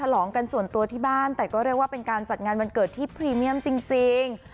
ลองกันส่วนตัวที่บ้านแต่ก็เรียกว่าเป็นการจัดงานวันเกิดที่พรีเมียมจริง